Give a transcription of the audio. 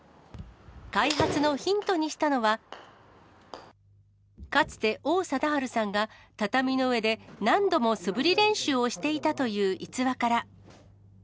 開発のヒントにしたのは、かつて王貞治さんが、畳の上で何度も素振り練習をしていたという逸話から。